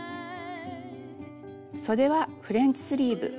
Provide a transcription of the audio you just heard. そではフレンチスリーブ。